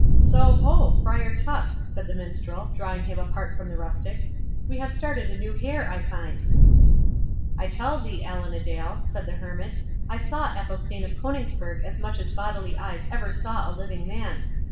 "So ho! Friar Tuck," said the Minstrel, drawing him apart from the rustics; "we have started a new hare, I find." "I tell thee, Allan a Dale," said the Hermit, "I saw Athelstane of Coningsburgh as much as bodily eyes ever saw a living man.